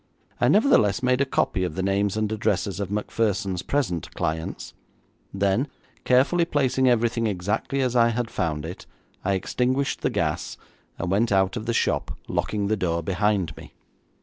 I nevertheless made a copy of the names and addresses of Macpherson's present clients; then, carefully placing everything exactly as I had found it, I extinguished the gas, and went out of the shop, locking the door behind me.